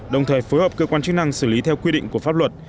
đồng thời phối hợp cơ quan chức năng xử lý theo quy định của pháp luật